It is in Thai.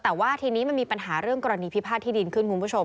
แต่ว่าทีนี้มันมีปัญหาเรื่องกรณีพิพาทที่ดินขึ้นคุณผู้ชม